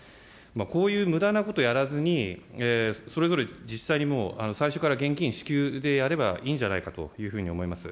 こういうむだなことやらずに、それぞれ自治体に、もう最初から現金支給でやればいいんじゃないかというふうに思います。